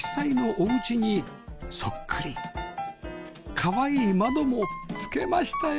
かわいい窓もつけましたよ